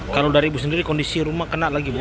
kalau dari ibu sendiri kondisi rumah kena lagi bu